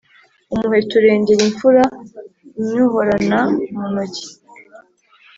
Umuheto urengera imfura nywuhorana mu ntoki.